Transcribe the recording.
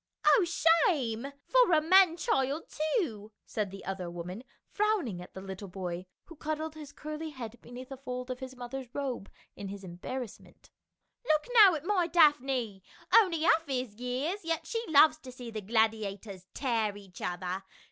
"Oh shame — for a man child, too !" said the other woman, frowning at the little boy, who cuddled his curly head beneath a fold of his mother's robe in his embarrassment. " Look now at my Daphne, only half his years, yet she loves to see the gladiators tear each other.